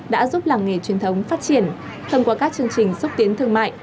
đã giúp làng nghề truyền thống phát triển thông qua các chương trình xúc tiến thương mại